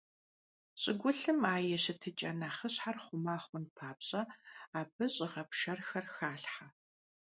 ЩӀыгулъым а и щытыкӀэ нэхъыщхьэр хъума хъун папщӀэ, абы щӀыгъэпшэрхэр халъхьэ.